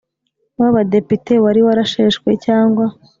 w’Abadepite wari warasheshwe cyangwa